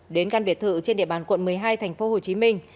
đến căn biệt thự trên địa bàn quận một mươi hai tp hcm